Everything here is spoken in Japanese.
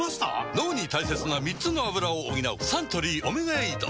脳に大切な３つのアブラを補うサントリー「オメガエイド」